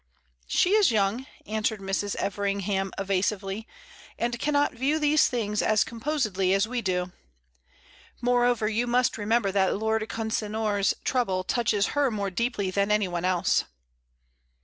"She is young," answered Mrs. Everingham, evasively, "and cannot view these things as composedly as we do. Moreover, you must remember that Lord Consinor's trouble touches her more deeply than anyone else."